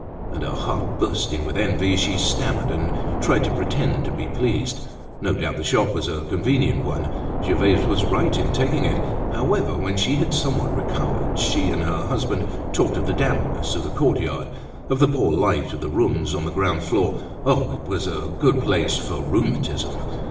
And her heart bursting with envy, she stammered, and tried to pretend to be pleased: no doubt the shop was a convenient one—Gervaise was right in taking it. However, when she had somewhat recovered, she and her husband talked of the dampness of the courtyard, of the poor light of the rooms on the ground floor. Oh! it was a good place for rheumatism.